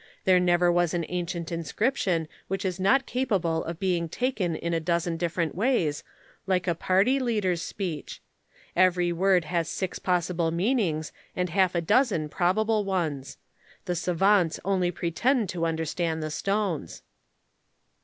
There never was an ancient inscription which is not capable of being taken in a dozen different ways, like a party leader's speech. Every word has six possible meanings and half a dozen probable ones. The savants only pretend to understand the stones."